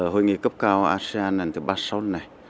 hội nghị cấp cao asean lần thứ ba mươi sáu này